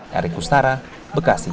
dari kustara bekasi